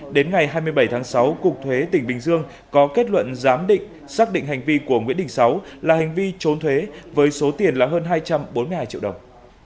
đến ngày hai mươi bảy tháng sáu cục thuế tỉnh bình dương có kết luận giám định xác định hành vi của nguyễn đình sáu là hành vi trốn thuế với số tiền là hơn hai trăm bốn mươi hai triệu đồng